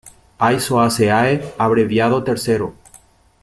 Aizoaceae, abreviado Ill.